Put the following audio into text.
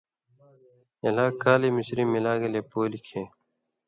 ہِلاک کالی مصری ملا گلے پُولیۡ کھیں